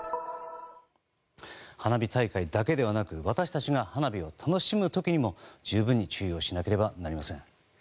花火大会だけではなく私たちが花火を楽しむ時にも十分に注意をしなければなりません。